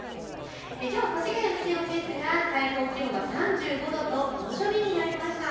きょうは越谷の気温ですが最高気温は３５度と猛暑日になりました。